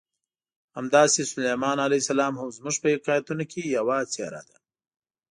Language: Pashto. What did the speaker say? همداسې سلیمان علیه السلام هم زموږ په حکایتونو کې یوه څېره ده.